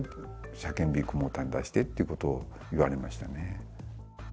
車検、ビッグモーターに出してっていうことを言われましてね。